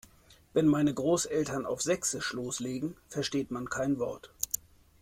Wenn meine Großeltern auf sächsisch loslegen, versteht man kein Wort.